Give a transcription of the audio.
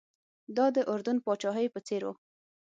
دا د اردن پاچاهۍ په څېر و.